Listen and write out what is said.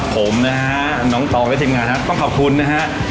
ผมนะฮะน้องตองและทีมงานครับต้องขอบคุณนะฮะ